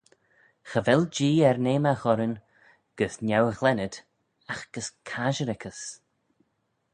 Cha vel Jee er n'eamagh orrin gys neu-ghlennid, agh gys casherickys.